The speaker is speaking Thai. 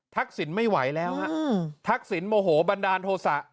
ทักศิลป์โมโหตบันดาลโถสะ